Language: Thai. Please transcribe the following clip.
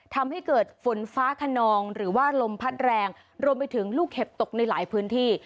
ทำให้เกิดฝนฟ้าขนองหรือว่าลมพัดแรงรวมไปถึงลูกเห็บตกในหลายพื้นที่